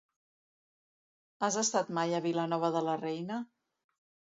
Has estat mai a Vilanova de la Reina?